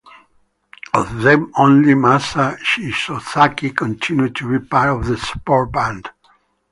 Of them only Masa Shinozaki continued to be part of the support band.